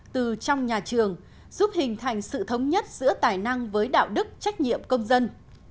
từ trong nhà trường giúp hình thành sự thống nhất giữa tài năng với đạo đức trách nhiệm công dân